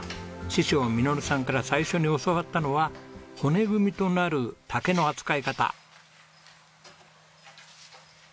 師匠實さんから最初に教わったのは骨組みとなる竹の扱い方。